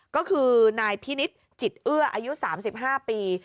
ก็คือนายพินิษฐ์จิตเอื้ออายุ๓๕ปี